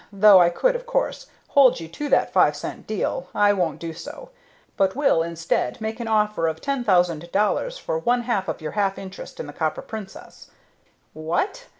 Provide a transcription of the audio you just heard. Though I could, of course, hold you to that five cent deal, I won't do so, but will, instead, make an offer of ten thousand dollars for one half of your half interest in the Copper Princess." "What!"